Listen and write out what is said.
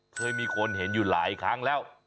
เคยมีคนเห็นอยู่หลายครั้งแล้ว